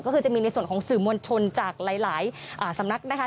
ก็คือจะมีในส่วนของสื่อมวลชนจากหลายสำนักนะคะ